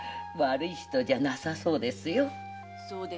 悪い人じゃなさそうですよ。